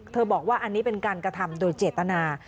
บอกว่าอันนี้เป็นการกระทำโดยเจตนา